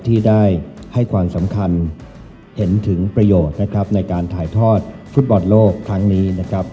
ที่ได้ให้ความสำคัญเห็นถึงประโยชน์นะครับในการถ่ายทอดฟุตบอลโลกครั้งนี้นะครับ